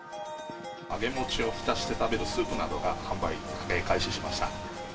揚げ餅を浸して食べるスープなどが、販売開始しました。